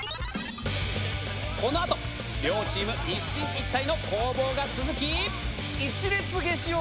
このあと両チーム一進一退の攻防が続き一列消しを。